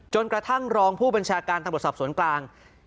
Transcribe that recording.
จนกระทั่งรองผู้บัญชาการตำรวจสอบสวนกลาง